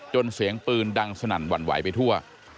เสียงปืนดังสนั่นหวั่นไหวไปทั่ว